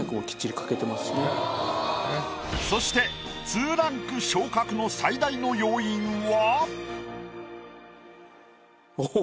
そして２ランク昇格の最大の要因は？